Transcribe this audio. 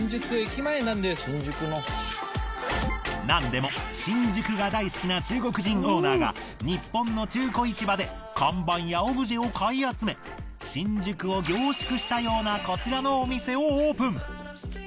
なんでも新宿が大好きな中国人オーナーが日本の中古市場で看板やオブジェを買い集め新宿を凝縮したようなこちらのお店をオープン。